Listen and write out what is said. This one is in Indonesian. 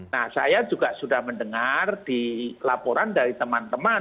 nah saya juga sudah mendengar di laporan dari teman teman